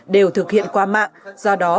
đều thực hiện qua mạng do đó